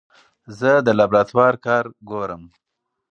زه د لابراتوار کار ګورم.